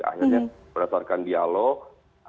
akhirnya berdasarkan dialog